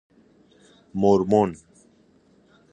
مورمون